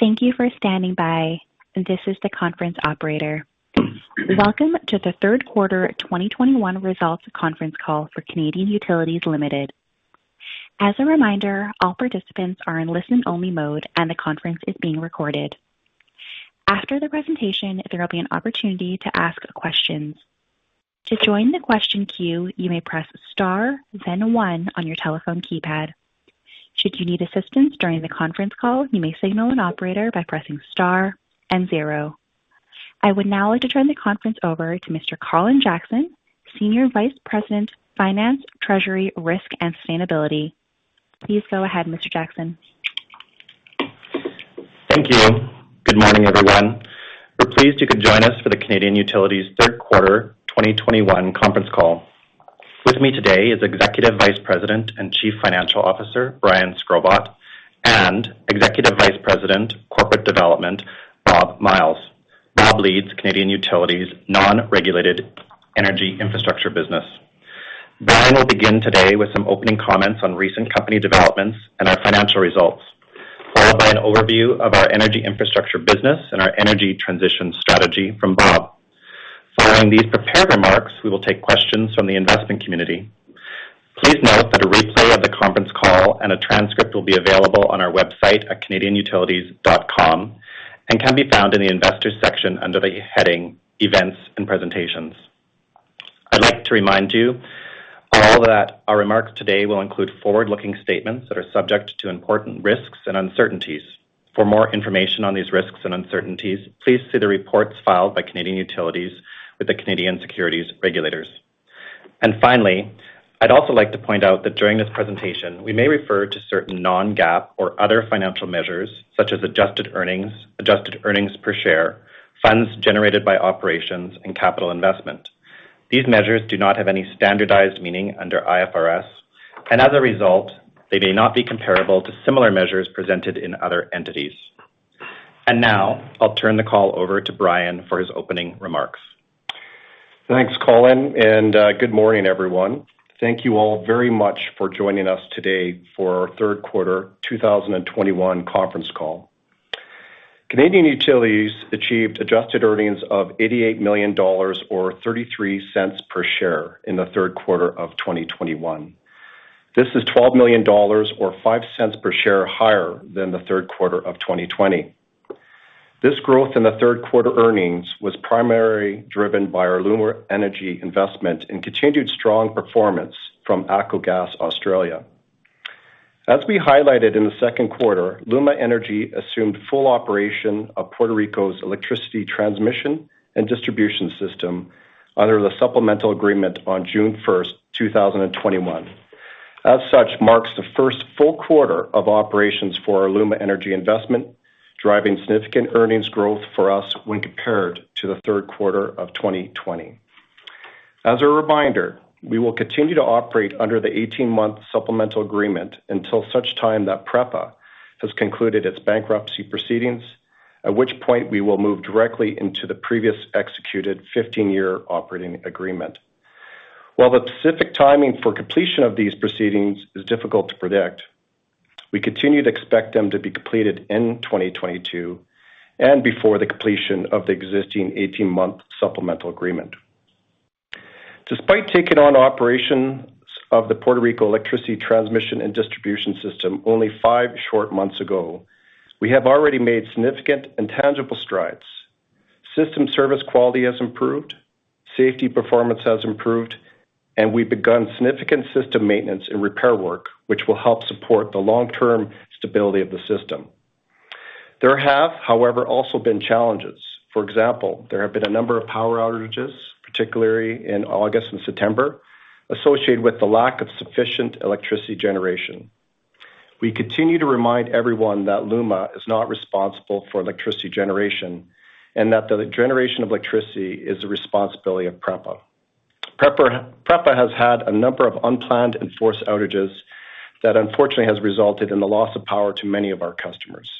Thank you for standing by. This is the conference operator. Welcome to the third quarter 2021 results conference call for Canadian Utilities Limited. As a reminder, all participants are in listen-only mode, and the conference is being recorded. After the presentation, there will be an opportunity to ask questions. To join the question queue, you may press star then one on your telephone keypad. Should you need assistance during the conference call, you may signal an operator by pressing star and zero. I would now like to turn the conference over to Mr. Colin Jackson, Senior Vice President, Finance, Treasury, Risk, and Sustainability. Please go ahead, Mr. Jackson. Thank you. Good morning, everyone. We're pleased you could join us for the Canadian Utilities third quarter 2021 conference call. With me today is Executive Vice President and Chief Financial Officer Brian Shkrobot and Executive Vice President, Corporate Development, Bob Myles. Bob leads Canadian Utilities' non-regulated energy infrastructure business. Brian will begin today with some opening comments on recent company developments and our financial results, followed by an overview of our energy infrastructure business and our energy transition strategy from Bob. Following these prepared remarks, we will take questions from the investment community. Please note that a replay of the conference call and a transcript will be available on our website at canadianutilities.com and can be found in the investors section under the heading Events and Presentations. I'd like to remind you all that our remarks today will include forward-looking statements that are subject to important risks and uncertainties. For more information on these risks and uncertainties, please see the reports filed by Canadian Utilities with the Canadian securities regulators. Finally, I'd also like to point out that during this presentation, we may refer to certain non-GAAP or other financial measures such as adjusted earnings, adjusted earnings per share, funds generated by operations, and capital investment. These measures do not have any standardized meaning under IFRS, and as a result, they may not be comparable to similar measures presented in other entities. Now I'll turn the call over to Brian for his opening remarks. Thanks, Colin, and good morning, everyone. Thank you all very much for joining us today for our third quarter 2021 conference call. Canadian Utilities achieved adjusted earnings of 88 million dollars or 0.33 per share in the third quarter of 2021. This is 12 million dollars or 0.05 per share higher than the third quarter of 2020. This growth in the third-quarter earnings was primarily driven by our LUMA Energy investment and continued strong performance from ATCO Gas Australia. As we highlighted in the second quarter, LUMA Energy assumed full operation of Puerto Rico's electricity transmission and distribution system under the supplemental agreement on June 1, 2021. As such, it marks the first full quarter of operations for our LUMA Energy investment, driving significant earnings growth for us when compared to the third quarter of 2020. As a reminder, we will continue to operate under the 18-month Supplemental Agreement until such time that PREPA has concluded its bankruptcy proceedings, at which point we will move directly into the previous executed 15-year operating agreement. While the specific timing for completion of these proceedings is difficult to predict, we continue to expect them to be completed in 2022 and before the completion of the existing 18-month Supplemental Agreement. Despite taking on operations of the Puerto Rico electricity transmission and distribution system only five short months ago, we have already made significant and tangible strides. System service quality has improved, safety performance has improved, and we've begun significant system maintenance and repair work, which will help support the long-term stability of the system. There have, however, also been challenges. For example, there have been a number of power outages, particularly in August and September, associated with the lack of sufficient electricity generation. We continue to remind everyone that LUMA is not responsible for electricity generation and that the generation of electricity is the responsibility of PREPA. PREPA has had a number of unplanned and forced outages that, unfortunately, has resulted in the loss of power to many of our customers.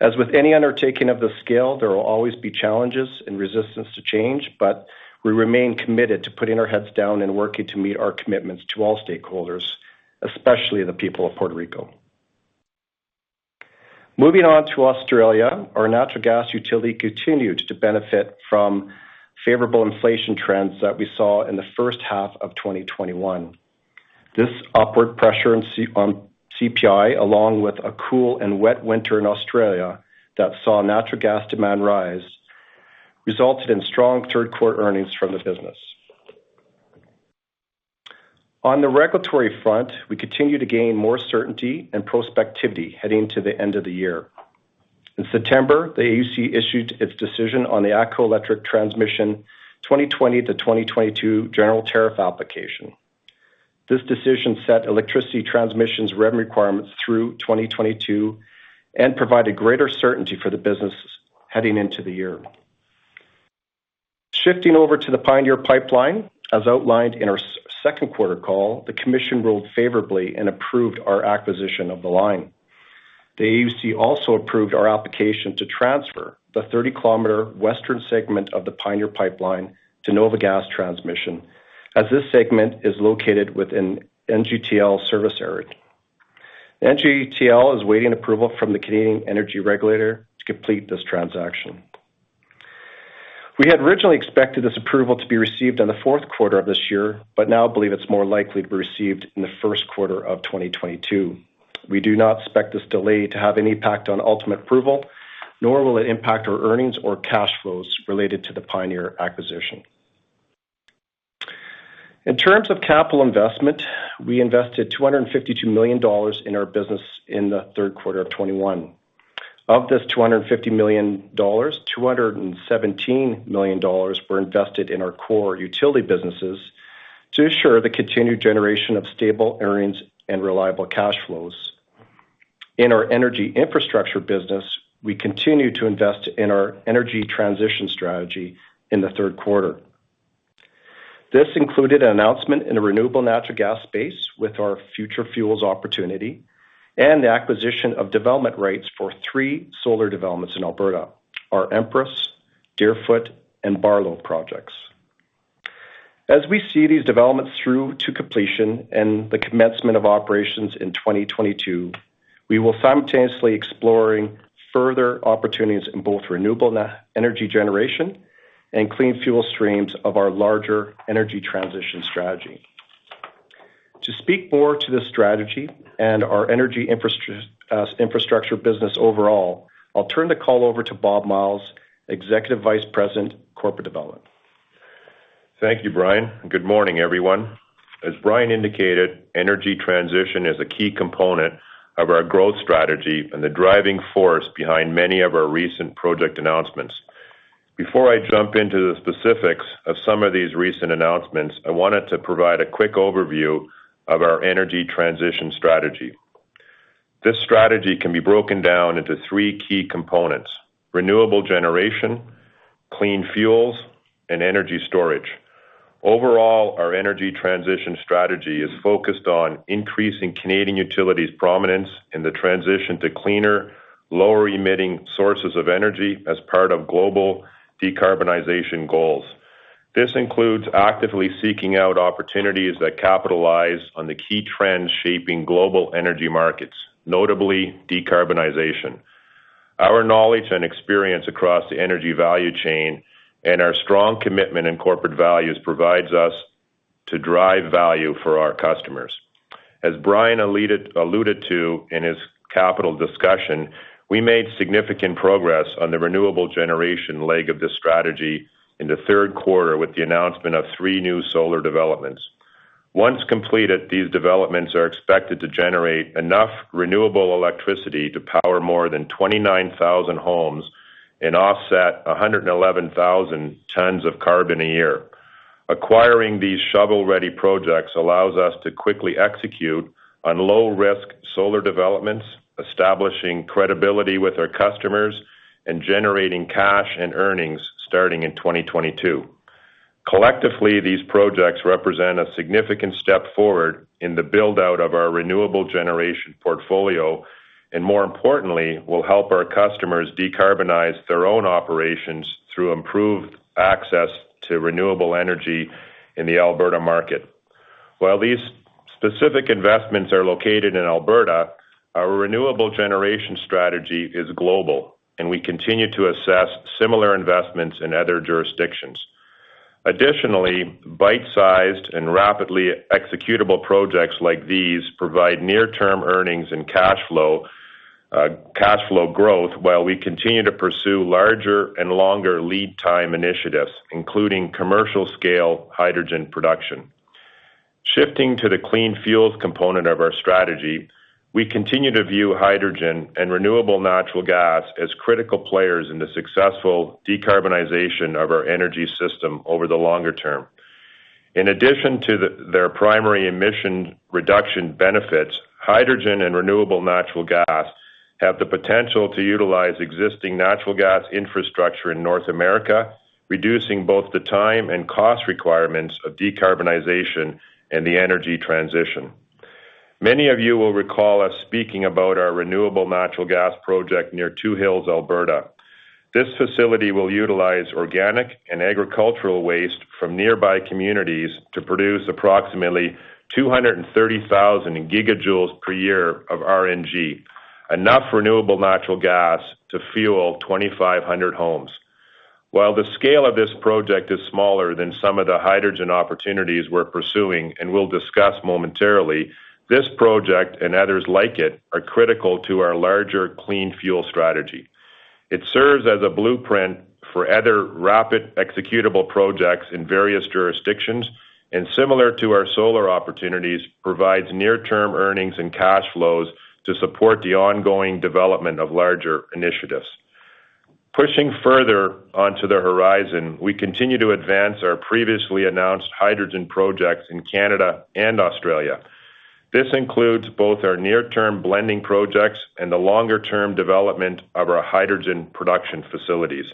As with any undertaking of this scale, there will always be challenges and resistance to change, but we remain committed to putting our heads down and working to meet our commitments to all stakeholders, especially the people of Puerto Rico. Moving on to Australia. Our natural gas utility continued to benefit from favorable inflation trends that we saw in the first half of 2021. This upward pressure on C-CPI, along with a cool and wet winter in Australia that saw natural gas demand rise, resulted in strong third-quarter earnings from the business. On the regulatory front, we continue to gain more certainty and prospectivity heading to the end of the year. In September, the AUC issued its decision on the ATCO Electric Transmission 2020-2022 general tariff application. This decision set electricity transmission revenue requirements through 2022 and provided greater certainty for the businesses heading into the year. Shifting over to the Pioneer Pipeline. As outlined in our second quarter call, the commission ruled favorably and approved our acquisition of the line. The AUC also approved our application to transfer the 30-kilometer western segment of the Pioneer Pipeline to NOVA Gas Transmission. As this segment is located within NGTL service area. NGTL is waiting approval from the Canadian Energy Regulator to complete this transaction. We had originally expected this approval to be received in the fourth quarter of this year, but now believe it's more likely to be received in the first quarter of 2022. We do not expect this delay to have any impact on ultimate approval, nor will it impact our earnings or cash flows related to the Pioneer acquisition. In terms of capital investment, we invested 252 million dollars in our business in the third quarter of 2021. Of this 250 million dollars, 217 million dollars were invested in our core utility businesses to ensure the continued generation of stable earnings and reliable cash flows. In our energy infrastructure business, we continue to invest in our energy transition strategy in the third quarter. This included an announcement in a renewable natural gas space with our Future Fuels opportunity and the acquisition of development rights for three solar developments in Alberta, our Empress, Deerfoot, and Barlow projects. As we see these developments through to completion and the commencement of operations in 2022, we will simultaneously exploring further opportunities in both renewable energy generation and clean fuel streams of our larger energy transition strategy. To speak more to this strategy and our energy infrastructure business overall, I'll turn the call over to Bob Myles, Executive Vice President, Corporate Development. Thank you, Brian. Good morning, everyone. As Brian indicated, energy transition is a key component of our growth strategy and the driving force behind many of our recent project announcements. Before I jump into the specifics of some of these recent announcements, I wanted to provide a quick overview of our energy transition strategy. This strategy can be broken down into three key components, renewable generation, clean fuels, and energy storage. Overall, our energy transition strategy is focused on increasing Canadian Utilities prominence in the transition to cleaner, lower-emitting sources of energy as part of global decarbonization goals. This includes actively seeking out opportunities that capitalize on the key trends shaping global energy markets, notably decarbonization. Our knowledge and experience across the energy value chain and our strong commitment in corporate values provides us to drive value for our customers. As Brian alluded to in his capital discussion, we made significant progress on the renewable generation leg of this strategy in the third quarter with the announcement of three new solar developments. Once completed, these developments are expected to generate enough renewable electricity to power more than 29,000 homes and offset 111,000 tons of carbon a year. Acquiring these shovel-ready projects allows us to quickly execute on low-risk solar developments, establishing credibility with our customers, and generating cash and earnings starting in 2022. Collectively, these projects represent a significant step forward in the build-out of our renewable generation portfolio, and more importantly, will help our customers decarbonize their own operations through improved access to renewable energy in the Alberta market. While these specific investments are located in Alberta, our renewable generation strategy is global, and we continue to assess similar investments in other jurisdictions. Additionally, bite-sized and rapidly executable projects like these provide near-term earnings and cash flow, cash flow growth while we continue to pursue larger and longer lead time initiatives, including commercial-scale hydrogen production. Shifting to the clean fuels component of our strategy, we continue to view hydrogen and renewable natural gas as critical players in the successful decarbonization of our energy system over the longer term. In addition to their primary emission reduction benefits, hydrogen and renewable natural gas have the potential to utilize existing natural gas infrastructure in North America, reducing both the time and cost requirements of decarbonization and the energy transition. Many of you will recall us speaking about our renewable natural gas project near Two Hills, Alberta. This facility will utilize organic and agricultural waste from nearby communities to produce approximately 230,000 gigajoules per year of RNG, enough renewable natural gas to fuel 2,500 homes. While the scale of this project is smaller than some of the hydrogen opportunities we're pursuing and we'll discuss momentarily, this project and others like it are critical to our larger clean fuel strategy. It serves as a blueprint for other rapid executable projects in various jurisdictions, and similar to our solar opportunities, provides near-term earnings and cash flows to support the ongoing development of larger initiatives. Pushing further onto the horizon, we continue to advance our previously announced hydrogen projects in Canada and Australia. This includes both our near-term blending projects and the longer-term development of our hydrogen production facilities.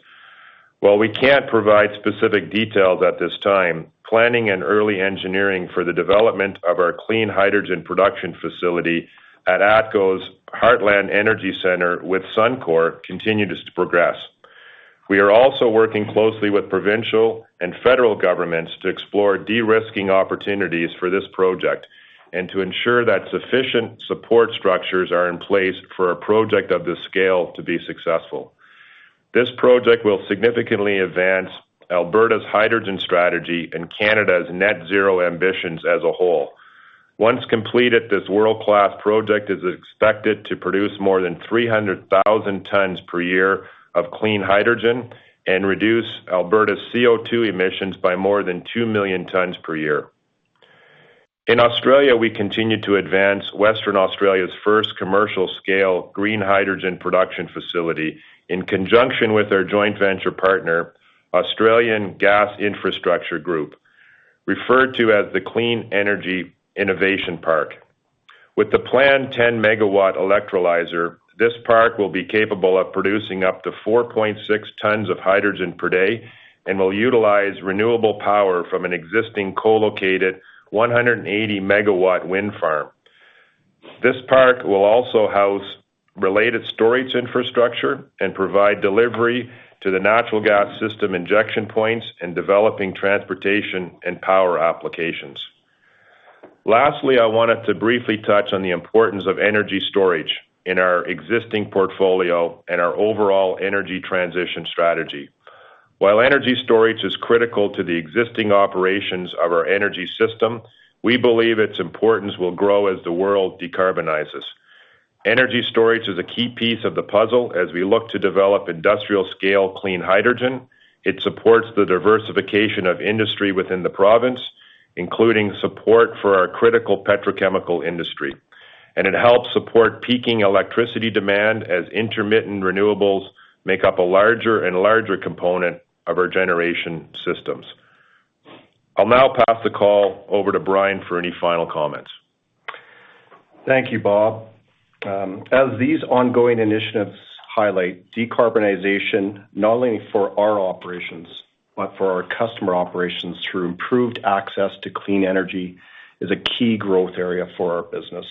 While we can't provide specific details at this time, planning an early engineering for the development of our clean hydrogen production facility at ATCO's Heartland Energy Center with Suncor continues to progress. We are also working closely with provincial and federal governments to explore de-risking opportunities for this project and to ensure that sufficient support structures are in place for a project of this scale to be successful. This project will significantly advance Alberta's hydrogen strategy and Canada's net zero ambitions as a whole. Once completed, this world-class project is expected to produce more than 300,000 tons per year of clean hydrogen and reduce Alberta's CO₂ emissions by more than 2 million tons per year. In Australia, we continue to advance Western Australia's first commercial scale green hydrogen production facility in conjunction with our joint venture partner, Australian Gas Infrastructure Group, referred to as the Clean Energy Innovation Park. With the planned 10-MW electrolyzer, this park will be capable of producing up to 4.6 tons of hydrogen per day and will utilize renewable power from an existing co-located 180-MW wind farm. This park will also house related storage infrastructure and provide delivery to the natural gas system injection points in developing transportation and power applications. Lastly, I wanted to briefly touch on the importance of energy storage in our existing portfolio and our overall energy transition strategy. While energy storage is critical to the existing operations of our energy system, we believe its importance will grow as the world decarbonizes. Energy storage is a key piece of the puzzle as we look to develop industrial-scale clean hydrogen. It supports the diversification of industry within the province, including support for our critical petrochemical industry. It helps support peaking electricity demand as intermittent renewables make up a larger and larger component of our generation systems. I'll now pass the call over to Brian for any final comments. Thank you, Bob. As these ongoing initiatives highlight decarbonization not only for our operations but for our customer operations through improved access to clean energy is a key growth area for our business.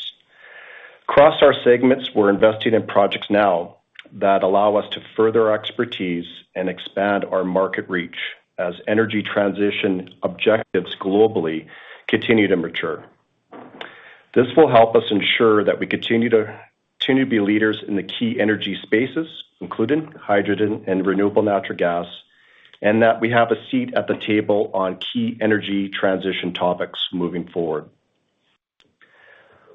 Across our segments, we're investing in projects now that allow us to further our expertise and expand our market reach as energy transition objectives globally continue to mature. This will help us ensure that we continue to be leaders in the key energy spaces, including hydrogen and renewable natural gas, and that we have a seat at the table on key energy transition topics moving forward.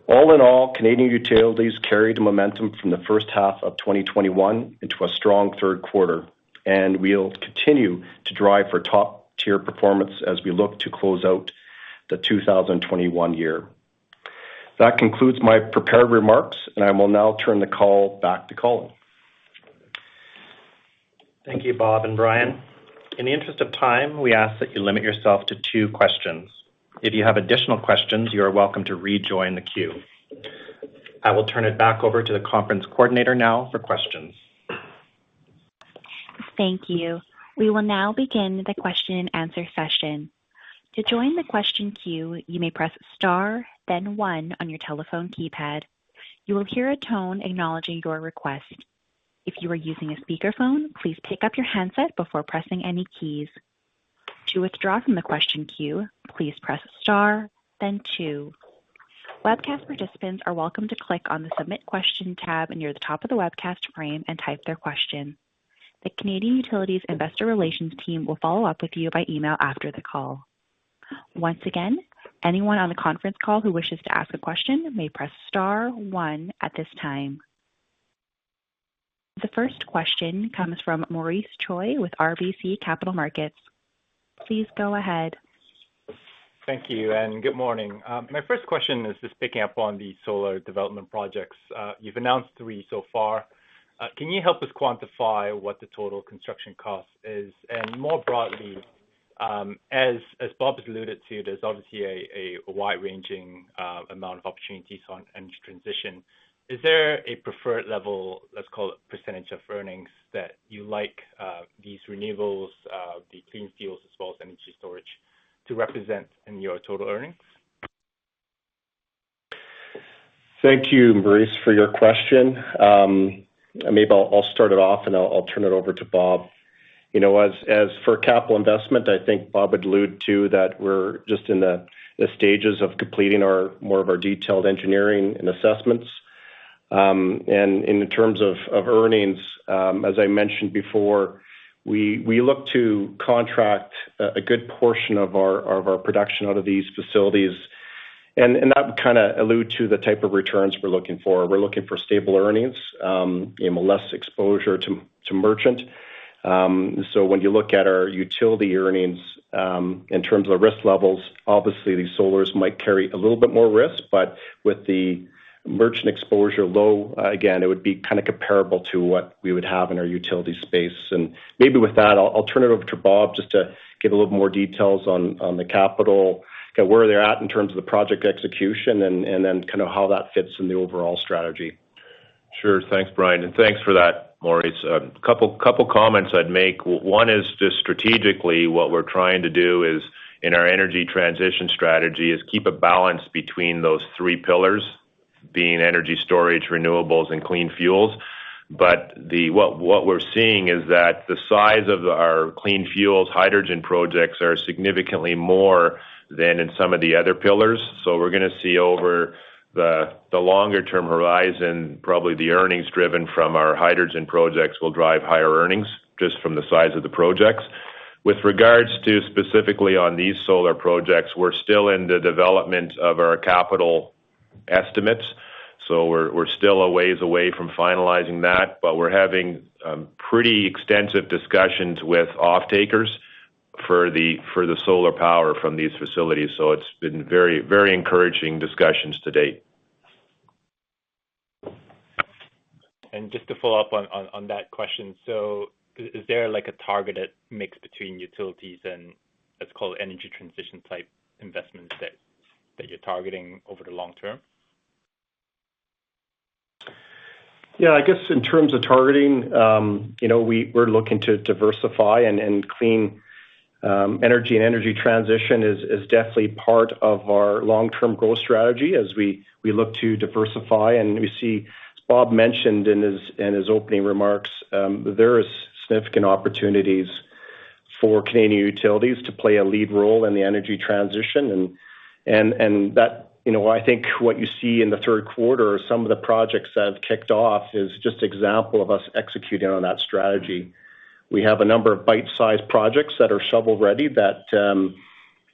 All in all, Canadian Utilities carry the momentum from the first half of 2021 into a strong third quarter, and we'll continue to drive for top-tier performance as we look to close out the 2021 year. That concludes my prepared remarks, and I will now turn the call back to Colin. Thank you, Bob and Brian. In the interest of time, we ask that you limit yourself to two questions. If you have additional questions, you are welcome to rejoin the queue. I will turn it back over to the conference coordinator now for questions. Thank you. We will now begin the question and answer session. To join the question queue, you may press star, then 1 on your telephone keypad. You will hear a tone acknowledging your request. If you are using a speakerphone, please pick up your handset before pressing any keys. To withdraw from the question queue, please press star then 2. Webcast participants are welcome to click on the Submit Question tab near the top of the webcast frame and type their question. The Canadian Utilities investor relations team will follow up with you by email after the call. Once again, anyone on the conference call who wishes to ask a question may press star 1 at this time. The first question comes from Maurice Choy with RBC Capital Markets. Please go ahead. Thank you and good morning. My first question is just picking up on the solar development projects. You've announced three so far. Can you help us quantify what the total construction cost is? More broadly, as Bob has alluded to, there's obviously a wide-ranging amount of opportunities on energy transition. Is there a preferred level, let's call it percentage of earnings, that you like these renewables, the clean fuels as well as energy storage to represent in your total earnings? Thank you, Maurice, for your question. Maybe I'll start it off and I'll turn it over to Bob. You know, as for capital investment, I think Bob alluded to that we're just in the stages of completing our more of our detailed engineering and assessments. In terms of earnings, as I mentioned before, we look to contract a good portion of our production out of these facilities. That kind of alludes to the type of returns we're looking for. We're looking for stable earnings, you know, less exposure to merchant. When you look at our utility earnings, in terms of risk levels, obviously these solars might carry a little bit more risk, but with the merchant exposure low, again, it would be kind of comparable to what we would have in our utility space. Maybe with that, I'll turn it over to Bob just to give a little more details on the capital, where they're at in terms of the project execution and then kind of how that fits in the overall strategy. Sure. Thanks, Brian, and thanks for that, Maurice. A couple comments I'd make. One is just strategically, what we're trying to do is in our energy transition strategy is keep a balance between those three pillars, being energy storage, renewables, and clean fuels. What we're seeing is that the size of our clean fuels hydrogen projects are significantly more than in some of the other pillars. We're gonna see over the longer term horizon, probably the earnings driven from our hydrogen projects will drive higher earnings just from the size of the projects. With regards to specifically on these solar projects, we're still in the development of our capital estimates, so we're still a ways away from finalizing that. We're having pretty extensive discussions with offtakers for the solar power from these facilities, so it's been very, very encouraging discussions to date. Just to follow up on that question. So is there like a targeted mix between utilities and let's call it energy transition type investments that you're targeting over the long term? Yeah, I guess in terms of targeting, you know, we're looking to diversify and clean energy and energy transition is definitely part of our long-term goal strategy as we look to diversify. We see, Bob mentioned in his opening remarks, there is significant opportunities for Canadian Utilities to play a lead role in the energy transition. That, you know, I think what you see in the third quarter are some of the projects that have kicked off is just example of us executing on that strategy. We have a number of bite-sized projects that are shovel-ready that,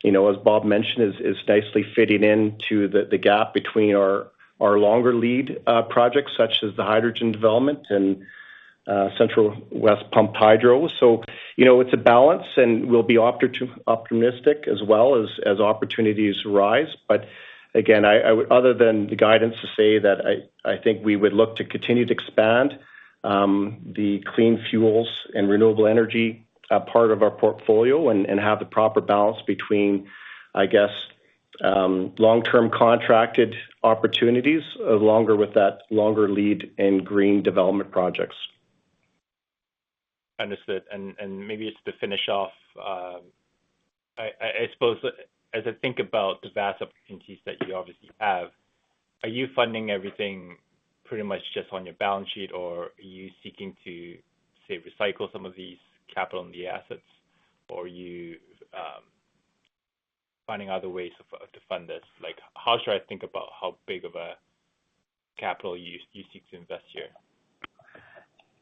you know, as Bob mentioned, is nicely fitting into the gap between our longer lead projects such as the hydrogen development and Central West Pump Hydro. You know, it's a balance, and we'll be optimistic as well as opportunities arise. Again, I would, other than the guidance, say that I think we would look to continue to expand the clean fuels and renewable energy part of our portfolio and have the proper balance between, I guess, long-term contracted opportunities and longer lead times in green development projects. Understood. Maybe just to finish off, I suppose as I think about the vast opportunities that you obviously have, are you funding everything pretty much just on your balance sheet, or are you seeking to, say, recycle some of these capital in the assets? Or are you finding other ways to fund this? Like, how should I think about how big of a capital you seek to invest here?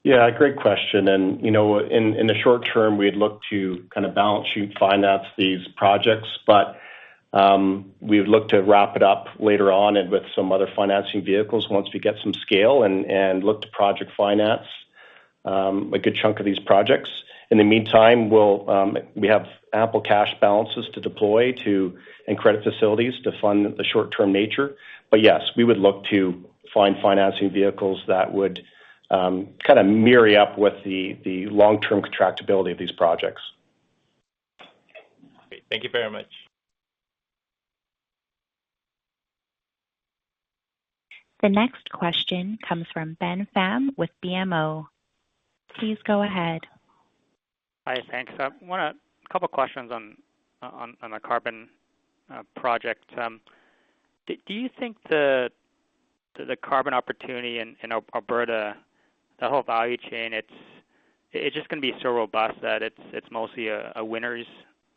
Yeah, great question. You know, in the short term, we'd look to kind of balance sheet finance these projects. We've looked to wrap it up later on and with some other financing vehicles once we get some scale and look to project finance a good chunk of these projects. In the meantime, we'll we have ample cash balances to deploy to, and credit facilities to fund the short-term nature. Yes, we would look to find financing vehicles that would kind of marry up with the long-term contractability of these projects. Great. Thank you very much. The next question comes from Ben Pham with BMO. Please go ahead. Hi, thanks. I want to ask a couple questions on the carbon project. Do you think the carbon opportunity in Alberta, the whole value chain, it's just gonna be so robust that it's mostly a winners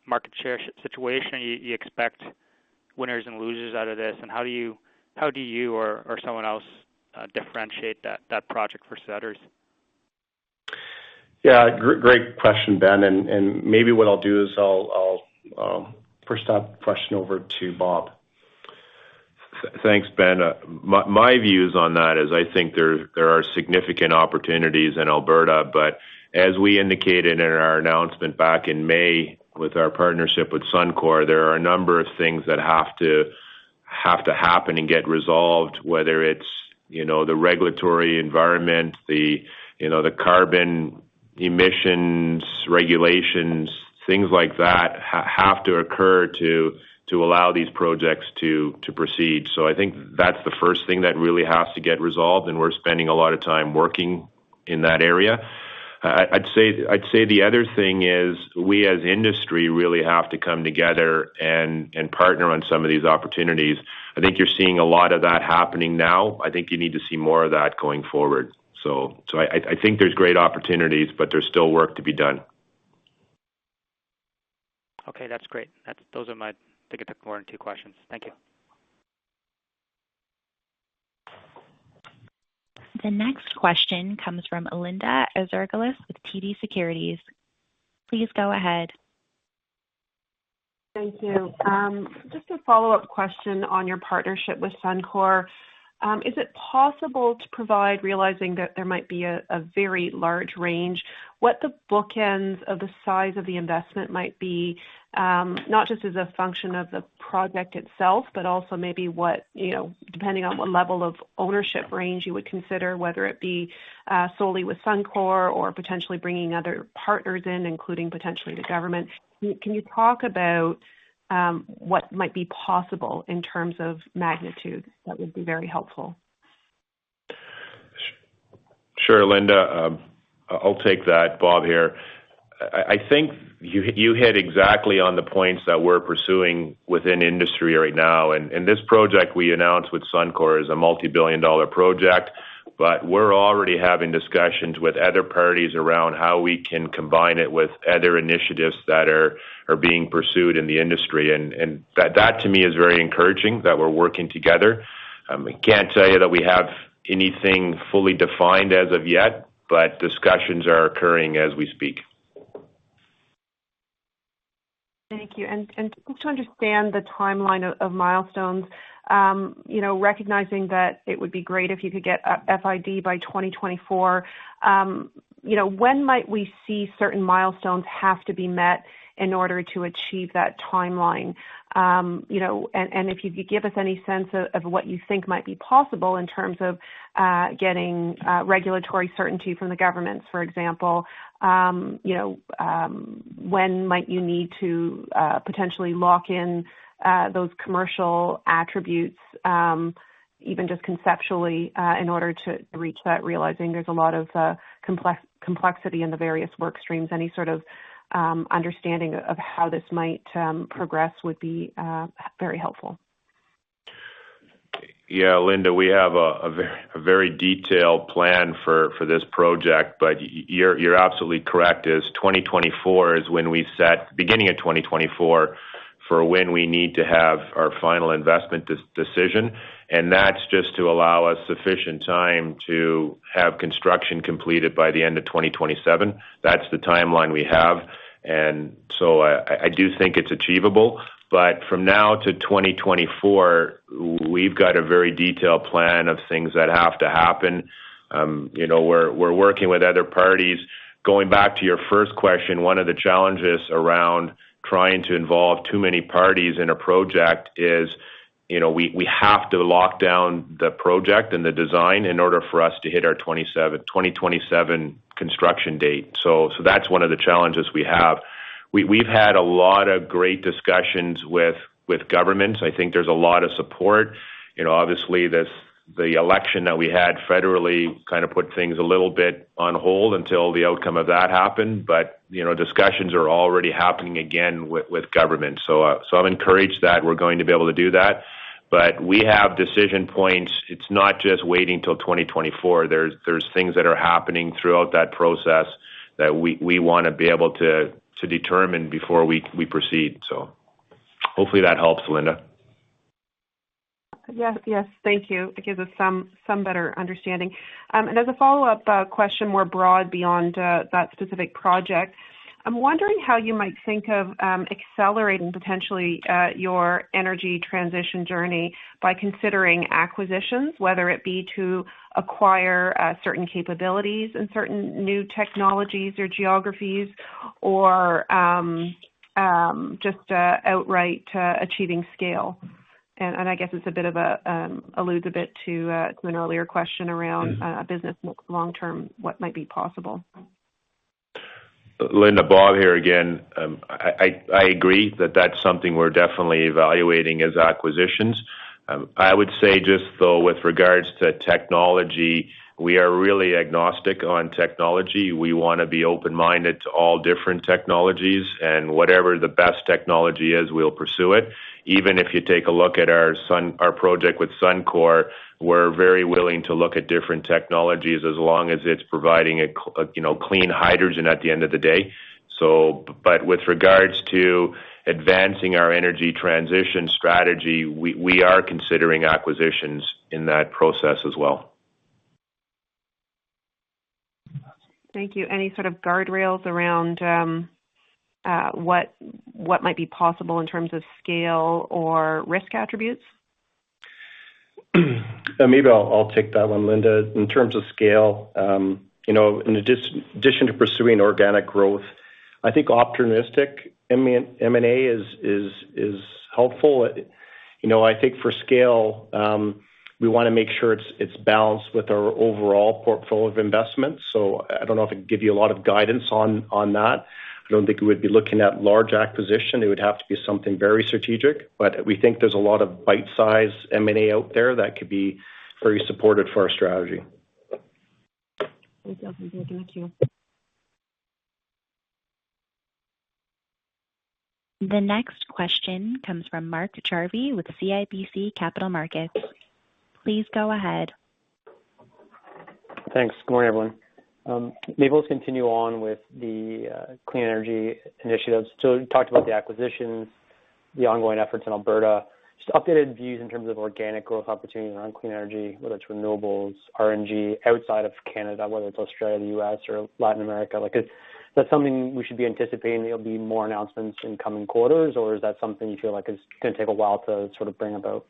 market share situation? You expect winners and losers out of this? How do you or someone else differentiate that project for investors? Yeah, great question, Ben. Maybe what I'll do is I'll first off question over to Bob. Thanks, Ben. My views on that is I think there are significant opportunities in Alberta, but as we indicated in our announcement back in May with our partnership with Suncor, there are a number of things that have to happen and get resolved, whether it's, you know, the regulatory environment, you know, the carbon emissions regulations, things like that have to occur to allow these projects to proceed. I think that's the first thing that really has to get resolved, and we're spending a lot of time working in that area. I'd say the other thing is we as industry really have to come together and partner on some of these opportunities. I think you're seeing a lot of that happening now. I think you need to see more of that going forward. I think there's great opportunities, but there's still work to be done. Okay, that's great. Those are my questions. I think I have one or two questions. Thank you. The next question comes from Linda Ezergailis with TD Securities. Please go ahead. Thank you. Just a follow-up question on your partnership with Suncor. Is it possible to provide, realizing that there might be a very large range, what the bookends of the size of the investment might be, not just as a function of the project itself, but also maybe what, you know, depending on what level of ownership range you would consider, whether it be solely with Suncor or potentially bringing other partners in, including potentially the government. Can you talk about what might be possible in terms of magnitude? That would be very helpful. Sure, Linda. I'll take that. Bob here. I think you hit exactly on the points that we're pursuing within industry right now. This project we announced with Suncor is a multi-billion dollar project, but we're already having discussions with other parties around how we can combine it with other initiatives that are being pursued in the industry. That to me is very encouraging that we're working together. I can't tell you that we have anything fully defined as of yet, but discussions are occurring as we speak. Thank you. Just to understand the timeline of milestones, you know, recognizing that it would be great if you could get FID by 2024, you know, when might we see certain milestones have to be met in order to achieve that timeline? If you could give us any sense of what you think might be possible in terms of getting regulatory certainty from the governments, for example. You know, when might you need to potentially lock in those commercial attributes, even just conceptually, in order to reach that realizing there's a lot of complexity in the various work streams. Any sort of understanding of how this might progress would be very helpful. Yeah, Linda, we have a very detailed plan for this project. But you're absolutely correct, beginning of 2024 for when we need to have our final investment decision. That's just to allow us sufficient time to have construction completed by the end of 2027. That's the timeline we have. I do think it's achievable, but from now to 2024, we've got a very detailed plan of things that have to happen. You know, we're working with other parties. Going back to your first question, one of the challenges around trying to involve too many parties in a project is, you know, we have to lock down the project and the design in order for us to hit our 2027 construction date. That's one of the challenges we have. We've had a lot of great discussions with governments. I think there's a lot of support. You know, obviously this, the election that we had federally kind of put things a little bit on hold until the outcome of that happened. You know, discussions are already happening again with government. I'm encouraged that we're going to be able to do that. We have decision points. It's not just waiting till 2024. There's things that are happening throughout that process that we wanna be able to determine before we proceed. Hopefully that helps, Linda. Yes. Yes. Thank you. It gives us some better understanding. As a follow-up question more broad beyond that specific project, I'm wondering how you might think of accelerating potentially your energy transition journey by considering acquisitions, whether it be to acquire certain capabilities and certain new technologies or geographies or just outright achieving scale. I guess it's a bit of a alludes a bit to an earlier question around. Mm-hmm. business long term, what might be possible. Linda, Bob here again. I agree that that's something we're definitely evaluating as acquisitions. I would say just though, with regards to technology, we are really agnostic on technology. We wanna be open-minded to all different technologies and whatever the best technology is, we'll pursue it. Even if you take a look at our project with Suncor, we're very willing to look at different technologies as long as it's providing you know, clean hydrogen at the end of the day. With regards to advancing our energy transition strategy, we are considering acquisitions in that process as well. Thank you. Any sort of guardrails around what might be possible in terms of scale or risk attributes? Maybe I'll take that one, Linda. In terms of scale, you know, in addition to pursuing organic growth, I think opportunistic M&A is helpful. You know, I think for scale, we wanna make sure it's balanced with our overall portfolio of investments. I don't know if I can give you a lot of guidance on that. I don't think we would be looking at large acquisition. It would have to be something very strategic. We think there's a lot of bite-size M&A out there that could be very supportive for our strategy. That's helpful. Thank you. The next question comes from Mark Jarvi with CIBC Capital Markets. Please go ahead. Thanks. Good morning, everyone. Maybe let's continue on with the clean energy initiatives. You talked about the acquisitions, the ongoing efforts in Alberta. Just updated views in terms of organic growth opportunities around clean energy, whether it's renewables, RNG outside of Canada, whether it's Australia, U.S. or Latin America. Like, is that something we should be anticipating there'll be more announcements in coming quarters? Or is that something you feel like is gonna take a while to sort of bring about?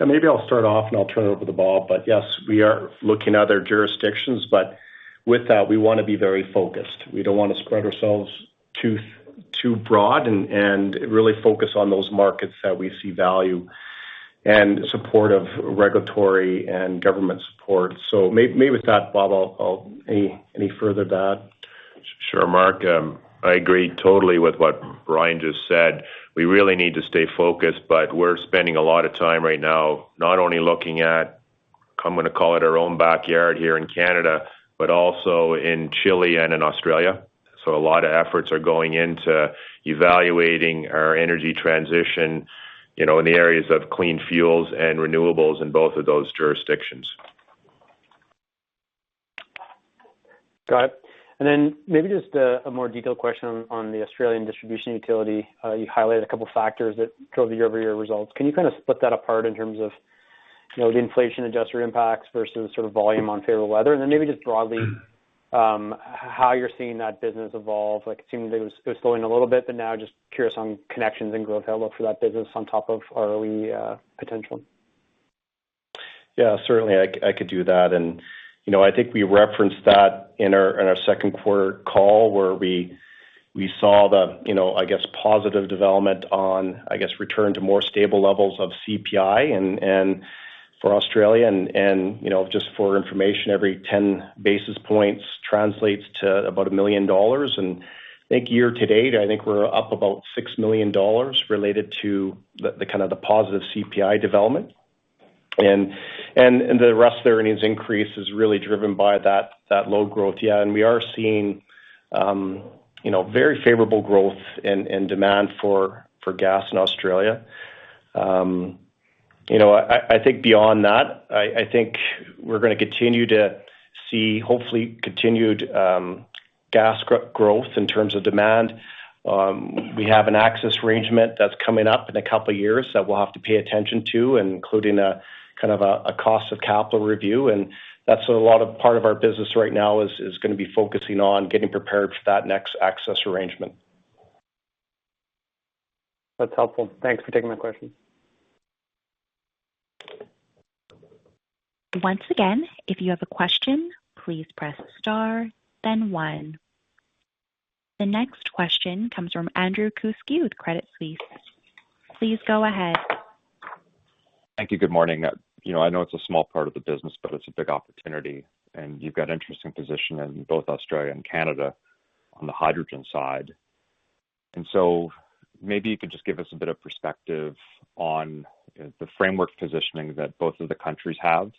Yeah, maybe I'll start off, and I'll turn it over to Bob. Yes, we are looking at other jurisdictions, but with that, we wanna be very focused. We don't wanna spread ourselves too broad and really focus on those markets that we see value and support of regulatory and government support. Maybe with that, Bob, I'll any further that. Sure, Mark. I agree totally with what Brian just said. We really need to stay focused, but we're spending a lot of time right now not only looking at, I'm gonna call it our own backyard here in Canada, but also in Chile and in Australia. A lot of efforts are going into evaluating our energy transition, you know, in the areas of clean fuels and renewables in both of those jurisdictions. Got it. Maybe just a more detailed question on the Australian distribution utility. You highlighted a couple factors that drove the year-over-year results. Can you kind of split that apart in terms of, you know, the inflation-adjusted impacts versus sort of volume on favorable weather? Maybe just broadly, how you're seeing that business evolve. Like, it seemed it was slowing a little bit, but now just curious on connections and growth outlook for that business on top of early potential. Yeah, certainly I could do that. You know, I think we referenced that in our second quarter call, where we saw the, you know, I guess, positive development on, I guess, return to more stable levels of CPI and for Australia, you know, just for information, every 10 basis points translates to about 1 million dollars. I think year to date, I think we're up about 6 million dollars related to the kind of the positive CPI development. The rest of the earnings increase is really driven by that load growth. Yeah, we are seeing, you know, very favorable growth and demand for gas in Australia. You know, I think beyond that, I think we're gonna continue to see hopefully continued gas growth in terms of demand. We have an access arrangement that's coming up in a couple years that we'll have to pay attention to, including a kind of cost of capital review. That's what a large part of our business right now is gonna be focusing on getting prepared for that next access arrangement. That's helpful. Thanks for taking my question. Once again, if you have a question, please press star, then one. The next question comes from Andrew Kuske with Credit Suisse. Please go ahead. Thank you. Good morning. You know, I know it's a small part of the business, but it's a big opportunity, and you've got interesting position in both Australia and Canada on the hydrogen side. Maybe you could just give us a bit of perspective on the framework positioning that both of the countries have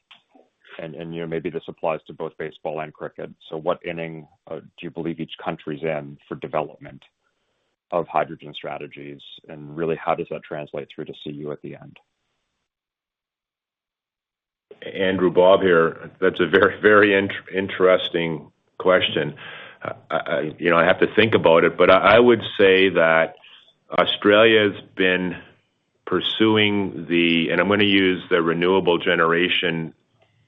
and, you know, maybe this applies to both baseball and cricket. So what inning do you believe each country's in for development of hydrogen strategies? Really how does that translate through to CU at the end? Andrew, Bob here. That's a very, very interesting question. You know, I have to think about it, but I would say that Australia's been pursuing renewable generation. I'm gonna use the renewable generation.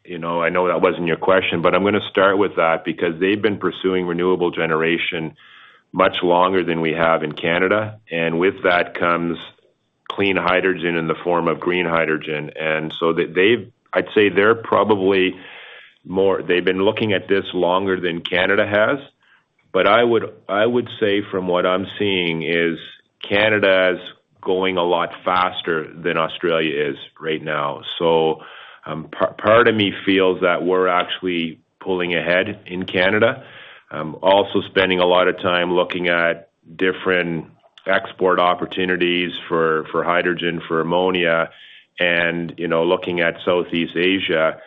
You know, I know that wasn't your question, but I'm gonna start with that because they've been pursuing renewable generation much longer than we have in Canada. With that comes clean hydrogen in the form of green hydrogen. They've been looking at this longer than Canada has. I would say from what I'm seeing is Canada is going a lot faster than Australia is right now. Part of me feels that we're actually pulling ahead in Canada. I'm also spending a lot of time looking at different export opportunities for hydrogen, for ammonia and you know, looking at Southeast Asia.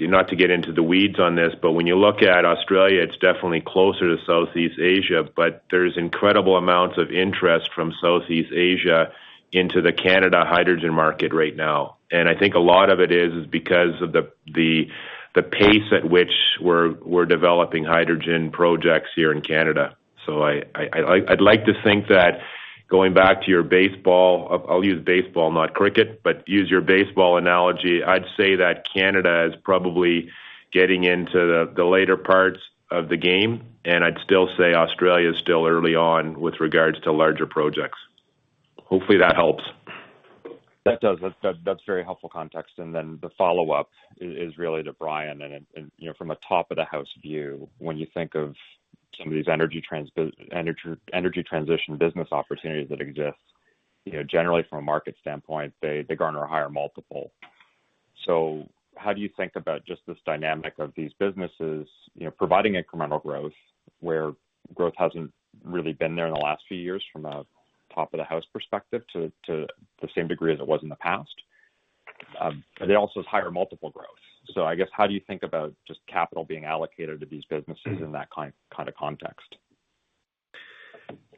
Not to get into the weeds on this, but when you look at Australia, it's definitely closer to Southeast Asia. There's incredible amounts of interest from Southeast Asia into the Canada hydrogen market right now. I think a lot of it is because of the pace at which we're developing hydrogen projects here in Canada. I'd like to think that going back to your baseball, I'll use baseball, not cricket, but use your baseball analogy. I'd say that Canada is probably getting into the later parts of the game, and I'd still say Australia is still early on with regards to larger projects. Hopefully, that helps. That does. That, that's very helpful context. Then the follow-up is really to Brian. You know, from a top-of-the-house view, when you think of some of these energy transition business opportunities that exist, you know, generally from a market standpoint, they garner a higher multiple. How do you think about just this dynamic of these businesses, you know, providing incremental growth where growth hasn't really been there in the last few years from a top-of-the-house perspective to the same degree as it was in the past? It also has higher multiple growth. I guess, how do you think about just capital being allocated to these businesses in that kind of context?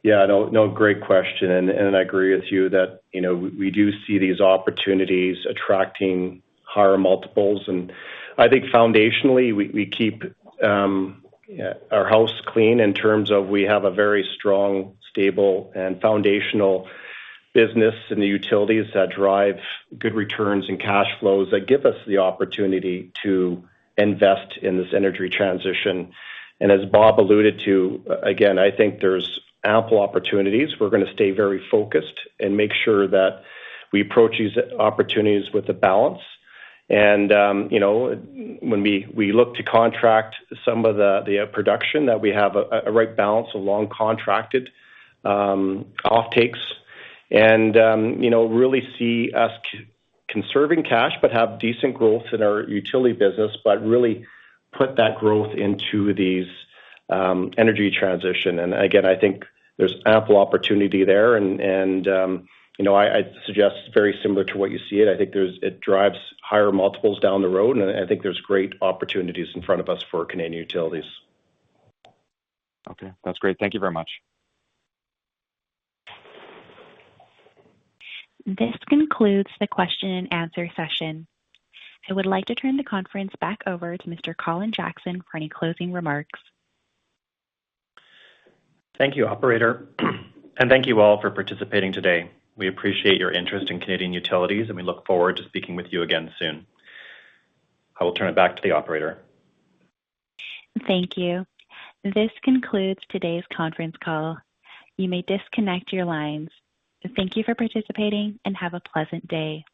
Yeah. No, no, great question. I agree with you that, you know, we do see these opportunities attracting higher multiples. I think foundationally, we keep our house clean in terms of we have a very strong, stable, and foundational business in the utilities that drive good returns and cash flows that give us the opportunity to invest in this energy transition. As Bob alluded to, again, I think there's ample opportunities. We're gonna stay very focused and make sure that we approach these opportunities with a balance. You know, when we look to contract some of the production that we have a right balance of long contracted off takes and, you know, really see us conserving cash, but have decent growth in our utility business, but really put that growth into these energy transition. I think there's ample opportunity there and you know, I suggest very similar to what you see in it. It drives higher multiples down the road, and I think there's great opportunities in front of us for Canadian Utilities. Okay. That's great. Thank you very much. This concludes the question and answer session. I would like to turn the conference back over to Mr. Colin Jackson for any closing remarks. Thank you, operator. Thank you all for participating today. We appreciate your interest in Canadian Utilities, and we look forward to speaking with you again soon. I will turn it back to the operator. Thank you. This concludes today's conference call. You may disconnect your lines. Thank you for participating and have a pleasant day.